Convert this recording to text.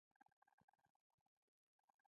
آیا دوی ټراکټورونه او بسونه نه جوړوي؟